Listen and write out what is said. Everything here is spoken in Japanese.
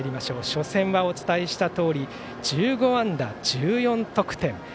初戦はお伝えしたとおり１５安打１４得点。